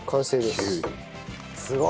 すごいね！